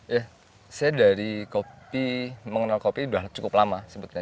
ya saya dari kopi mengenal kopi sudah cukup lama sebetulnya